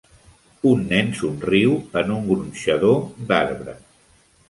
Un nen somriu en un gronxador d'arbre.